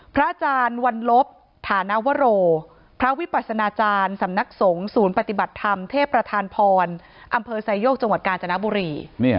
อาจารย์วันลบฐานวโรพระวิปัสนาจารย์สำนักสงฆ์ศูนย์ปฏิบัติธรรมเทพประธานพรอำเภอไซโยกจังหวัดกาญจนบุรี